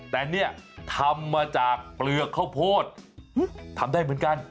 แต่เนี่ยทำมาจากเปลือกข้าวโพดทำได้เหมือนกัน